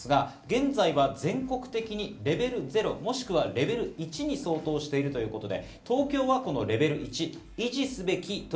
現在は全国的にレベル０、もしくはレベル１に相当しているということです。